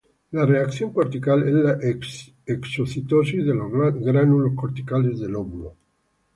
La reacción cortical es la exocitosis de los gránulos corticales del óvulo.